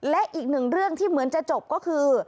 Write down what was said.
และอีกหนึ่งเรื่องที่เหมือนจะจบก็คือ